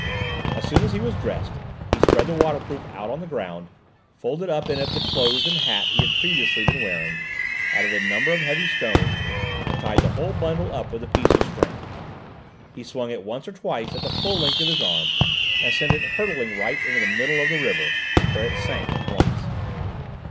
As soon as he was dressed, he spread the waterproof out on the ground, folded up in it the clothes and hat he had previously been wearing, added a number of heavy stones, and tied the whole bundle up with a piece of string. He swung it once or twice at the full length of his arm, and sent it hurtling right into the middle of the river, where it sank at once.